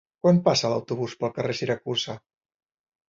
Quan passa l'autobús pel carrer Siracusa?